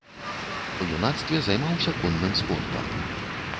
У юнацтве займаўся конным спортам.